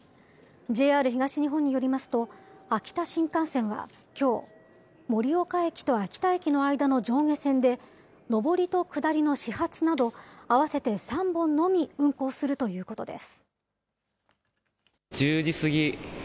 ＪＲ東日本によりますと、秋田新幹線はきょう、盛岡駅と秋田駅の間の上下線で、上りと下りの始発など、合わせて３本のみ運行するということです。